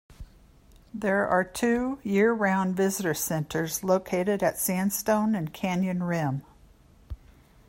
There are two year-round visitor centers located at Sandstone and Canyon Rim.